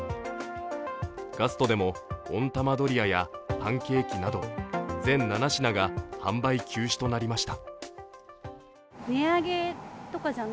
ガストでも温玉ドリアやパンケーキなど全７品が販売休止となりました。